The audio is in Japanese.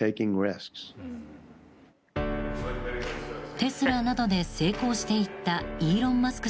テスラなどで成功していったイーロン・マスク